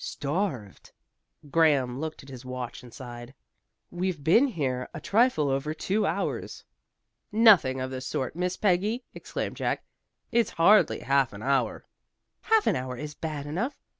"Starved," Graham looked at his watch and sighed. "We've been here a trifle over two hours." "Nothing of the sort, Miss Peggy," exclaimed Jack. "It's hardly half an hour." "Half an hour is bad enough.